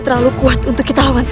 raga buah anak pasti tidak akan menang